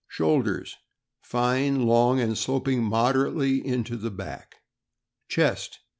Shoulders. — Fine, long, and sloping moderately into the back. Chest.